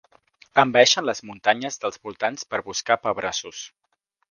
Envaeixen les muntanyes dels voltants per buscar pebrassos.